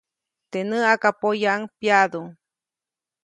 Teʼ näʼakpoyaʼuŋ pyaʼdu.